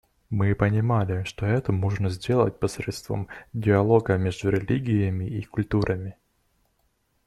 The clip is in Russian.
Мы понимали, что это можно сделать посредством диалога между религиями и культурами.